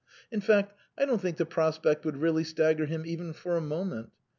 In fact, I don't think the prospect would really stagger him even for a moment.